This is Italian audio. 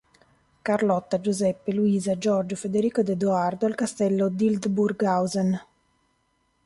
Carlotta, Giuseppe, Luisa, Giorgio, Federico ed Edoardo al castello d'Hildburghausen.